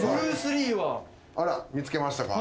あらっ見つけましたか。